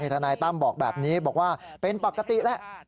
ทนายตั้มบอกแบบนี้บอกว่าเป็นปกติแล้ว